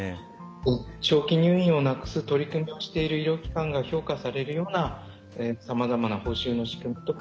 長期入院をなくす取り組みをしている医療機関が評価されるような、さまざまな報酬の仕組みとか